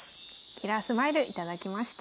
キラースマイル頂きました。